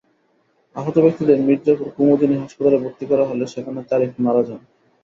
আহত ব্যক্তিদের মির্জাপুর কুমুদিনী হাসপাতালে ভর্তি করা হলে সেখানে তারিফ মারা যান।